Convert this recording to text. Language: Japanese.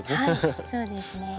はいそうですね。